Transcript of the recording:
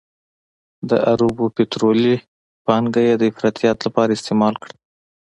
د عربو پطرولي پانګه یې د افراطیت لپاره استعمال کړه.